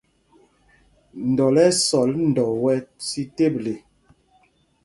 Ndɔl ɛ́ ɛ́ sɔl ndɔ wɛ́ sī teble.